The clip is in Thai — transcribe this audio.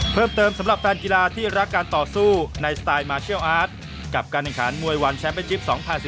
เพิ่มเติมสำหรับแฟนกีฬาที่รักการต่อสู้ในสไตล์มาเชียลอาร์ตกับการแข่งขันมวยวันแชมป์เป็นจิป๒๐๑๙